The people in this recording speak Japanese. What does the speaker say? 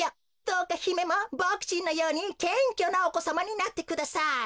どうかひめもボクちんのようにけんきょなおこさまになってください。